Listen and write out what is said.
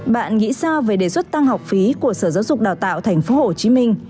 bạn nghĩ sao về đề xuất tăng học phí của sở giáo dục đào tạo tp hcm